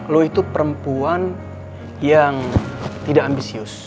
lo itu perempuan yang tidak ambisius